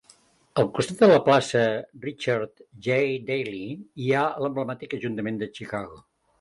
Al costat de la plaça de Richard J. Daley hi ha l'emblemàtic Ajuntament de Chicago.